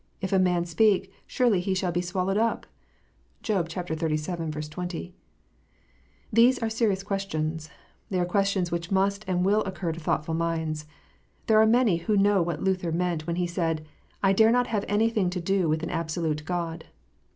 If a man speak, surely he shall be swallowed up "? (Job xxxvii. 20.) These are serious questions. They are questions which must and will occur to thoughtful minds. There are many who know what Luther meant, when he said, " I dare not have any thing to do with an absolute God."